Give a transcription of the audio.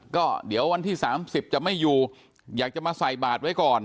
ก็เดี๋ยววันที่๓๐จะไม่อยู่อยากจะมาใส่บาทไว้ก่อน